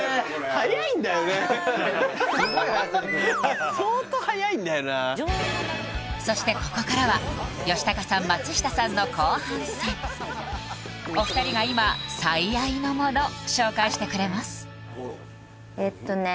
すごい速さでくるからそしてここからは吉高さん松下さんの後半戦お二人が今最愛のもの紹介してくれますえっとね